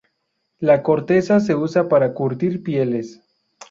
La corteza se usa para curtir pieles.